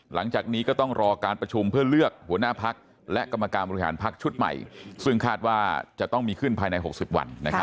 หลังจากนี้ก็ต้องรอการประชุมเพื่อเลือกหัวหน้าพักและกรรมการบริหารพักชุดใหม่ซึ่งคาดว่าจะต้องมีขึ้นภายใน๖๐วัน